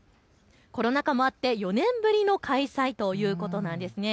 コロナ禍もあって４年ぶりの開催ということなんです。